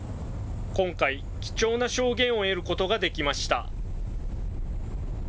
今回、貴重な証言を得ることができました。